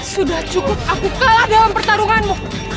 sudah cukup aku kalah dalam pertarunganmu